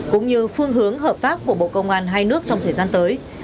cũng như phương hướng hợp tác của bộ công an hai nước trong thời gian tới